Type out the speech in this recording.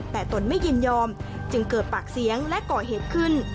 แต่ตนไม่ยินยอมจึงเกิดปากเสียงและก่อเหตุขึ้น